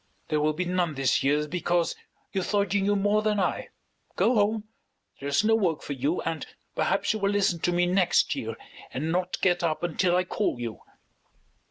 There will be none this year because you thought you knew more than I. Go home. There is no work for you, and perhaps you will listen to me next year and not get up until I call you."